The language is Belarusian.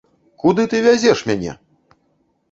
Куды ты вязеш мяне?!